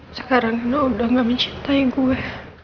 sekarang nuno udah ga mencintai gua